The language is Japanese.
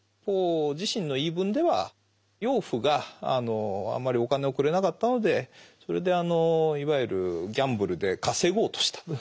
ポー自身の言い分では養父があんまりお金をくれなかったのでそれでいわゆるギャンブルで稼ごうとした。